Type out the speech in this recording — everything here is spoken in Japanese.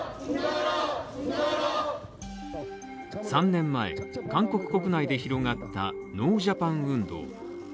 ３年前韓国国内で広がったノージャパン運動。